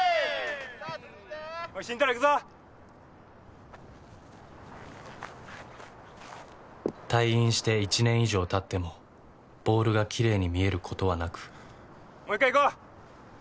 おい慎太郎行くぞ退院して１年以上たってもボールがきれいに見えることはなくもう１回行こう！